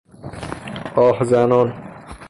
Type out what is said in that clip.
آه زنان